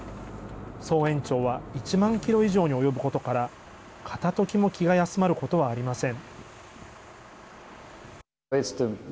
総延長は１万キロ以上に及ぶことから片ときも気が休まることはありません。